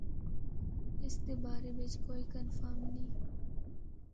اس دے بارے بچ کوئی کنفرم نیں ہے۔